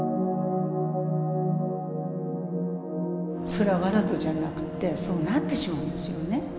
それはわざとじゃなくてそうなってしまうんですよね。